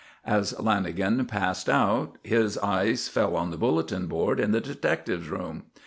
As Lanagan passed out, his eye fell on the bulletin board in the detectives' room.